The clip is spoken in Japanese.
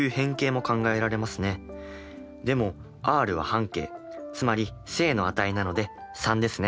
でもｒは半径つまり正の値なので３ですね。